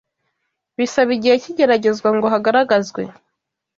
Bisaba igihe cy’igeragezwa ngo hagaragazwe